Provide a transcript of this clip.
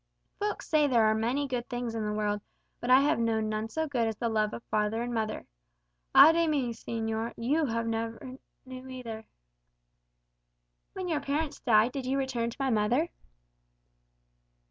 Folks say there are many good things in the world, but I have known none so good as the love of father and mother. Ay de mi, señor, you never knew either." "When your parents died, did you return to my mother?"